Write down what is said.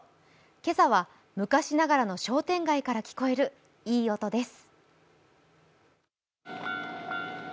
今朝は昔ながらの商店街から聞こえるいい音です。